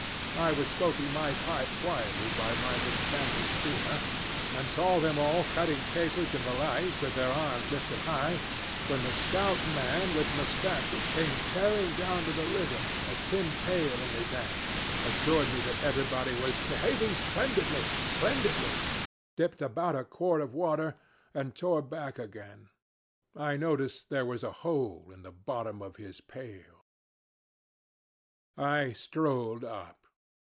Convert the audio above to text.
I was smoking my pipe quietly by my dismantled steamer, and saw them all cutting capers in the light, with their arms lifted high, when the stout man with mustaches came tearing down to the river, a tin pail in his hand, assured me that everybody was 'behaving splendidly, splendidly,' dipped about a quart of water and tore back again. I noticed there was a hole in the bottom of his pail. "I strolled up.